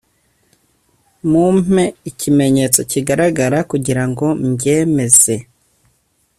mumpe ikimenyetso kigaragara kugirango mbyemeze.